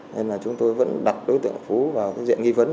nên là chúng tôi vẫn đặt đối tượng phú vào cái diện nghi vấn